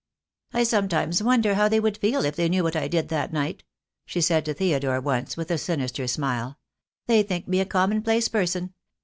"I sometimes wonder how they would feel if they knew what I did that night," she said to Theodore once, with a sinister smile. "They think me a common place person.